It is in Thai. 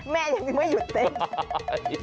แม่ยังไม่หยุดเต้น